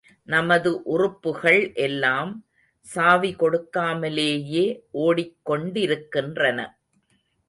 நமது உறுப்புகள் எல்லாம் சாவி கொடுக்காமலேயே, ஓடிக் கொண்டிருக்கின்றன.